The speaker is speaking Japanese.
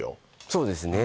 そうですね